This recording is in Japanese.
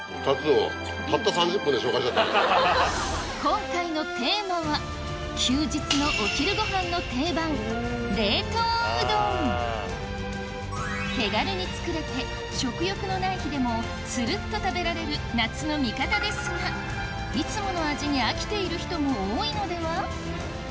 今回のテーマは休日のお昼ごはんの定番手軽に作れて食欲のない日でもつるっと食べられる夏の味方ですがいつもの味に飽きている人も多いのでは？